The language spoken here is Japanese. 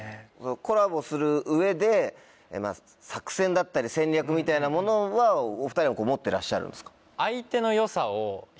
コラボする上で作戦だったり戦略みたいなものはお２人は持ってらっしゃるんですか？